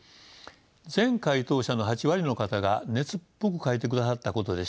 全回答者の８割の方が熱っぽく書いてくださったことでした。